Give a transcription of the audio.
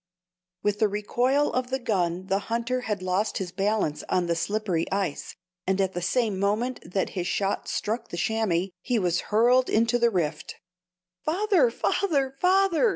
With the recoil of the gun the hunter had lost his balance on the slippery ice, and at the same moment that his shot struck the chamois, he was hurled into the "rift." "Father! father! father!"